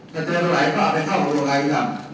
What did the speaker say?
กระเทนไว้ว่าไว้เข้าโรงงานอีกแล้ว